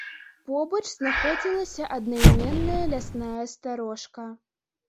Побач знаходзілася аднайменная лясная старожка.